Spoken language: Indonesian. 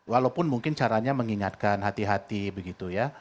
walaupun mungkin caranya mengingatkan hati hati begitu ya